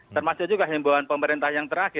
termasuk juga himbauan pemerintah yang terakhir